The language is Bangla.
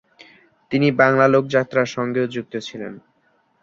তিনি বাংলা লোক যাত্রার সঙ্গেও যুক্ত ছিলেন।